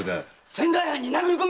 仙台藩に殴り込みでさ！